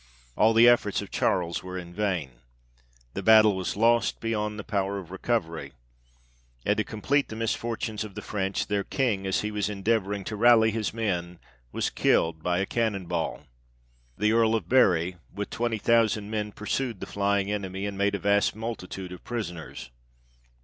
All the efforts of Charles were in vain ; the battle was lost beyond the power of recovery ; and to complete the misfortunes of the French, their King, as he was endeavouring to rally his men, was killed by a cannon ball. The Earl of Bury, with twenty thousand men pursued the flying enemy, and made a vast multitude of prisoners.